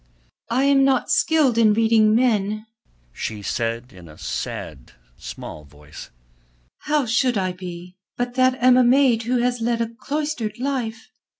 "I am not skilled in reading men," she said in a sad, small voice. "How should I be, that am but a maid who has led a cloistered life.